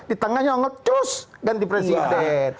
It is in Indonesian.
di tengahnya ngecus ganti presiden